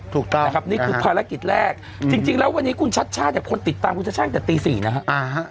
ถูกต้องนะครับนี่คือภารกิจแรกอืมจริงจริงแล้ววันนี้คุณชาติชากับคนติดตามคุณชาติตั้งแต่ตีสี่นะฮะอ่าฮะ